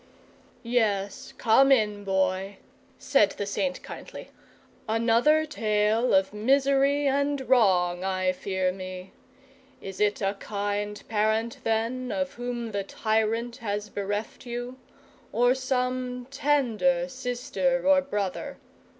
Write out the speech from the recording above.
"Yes, come in, Boy," said the Saint kindly. "Another tale of misery and wrong, I fear me. Is it a kind parent, then, of whom the tyrant has bereft you? Or some tender sister or brother?